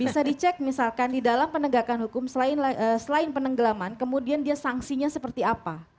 bisa dicek misalkan di dalam penegakan hukum selain penenggelaman kemudian dia sanksinya seperti apa